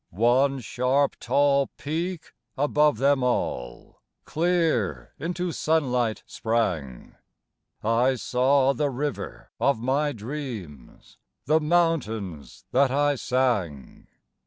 One sharp, tall peak above them all Clear into sunlight sprang I saw the river of my dreams, The mountains that I sang!